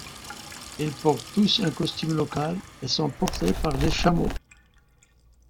Ils portent tous un costume local et sont portés par des chameaux.